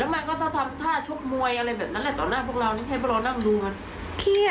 และมันก็ทำท่าชกมวยอะไรแบบนั้นนะต่อนะพวกเรา